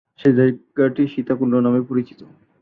সেই জায়গাটি সীতাকুণ্ড নামে পরিচিত।